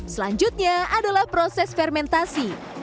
selanjutnya adalah proses fermentasi